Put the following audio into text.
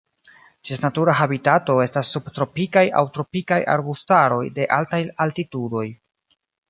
Ties natura habitato estas subtropikaj aŭ tropikaj arbustaroj de altaj altitudoj.